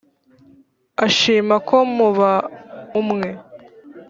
ashima ko muba umwe